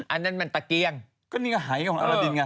อันนั้นมันตะเกียงก็นี่ก็หายของอารดินไง